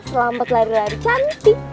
selamat lari lari cantik